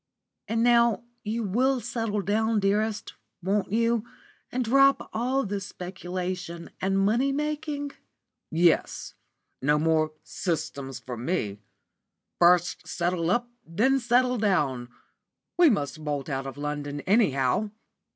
"And now you will settle down, dearest, won't you, and drop all this speculation and money making?" "Yes, no more 'systems' for me. First settle up, then settle down. We must bolt out of London, anyhow."